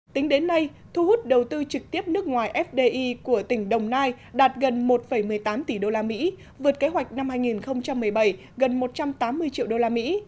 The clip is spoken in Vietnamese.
tính đến nay thu hút đầu tư trực tiếp nước ngoài fdi của tỉnh đồng nai đạt gần một một mươi tám tỷ đô la mỹ vượt kế hoạch năm hai nghìn một mươi bảy gần một trăm tám mươi triệu đô la mỹ